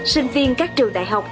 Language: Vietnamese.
sinh viên các trường đại học